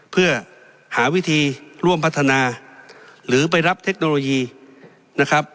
เพื่อหาวิธีร่วมพัฒนาหรือไปรับเทคโนโลยีนะครับ